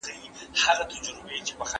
شواليه ګان د جنګ لپاره روزل کېدل.